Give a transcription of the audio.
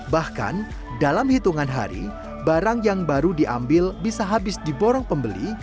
bahkan dalam hitungan hari barang yang baru diambil bisa habis di borong pembeli